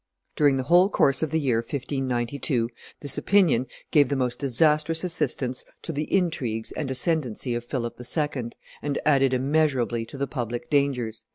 During the whole course of the year 1592, this opinion gave the most disastrous assistance to the intrigues and ascendency of Philip II., and added immeasurably to the public dangers."